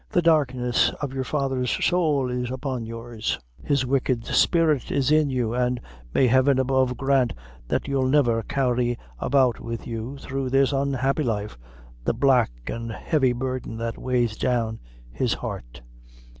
The darkness of your father's sowl is upon yours; his wicked spirit is in you, an' may Heaven above grant that you'll never carry about with you, through this unhappy life, the black an' heavy burden that weighs down his heart!